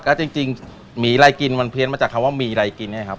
ก็จริงหมีอะไรกินมันเพี้ยนมาจากคำว่าหมีอะไรกินนะครับ